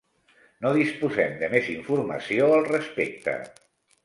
No disposem de més informació al respecte.